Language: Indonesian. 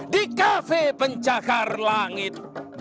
di kafe pencakar langit